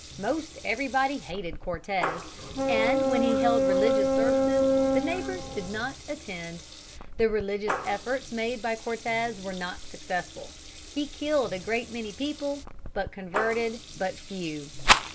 Most everybody hated Cortez, and when he held religious services the neighbors did not attend. The religious efforts made by Cortez were not successful. He killed a great many people, but converted but few.